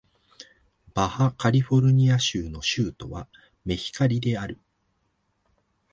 バハ・カリフォルニア州の州都はメヒカリである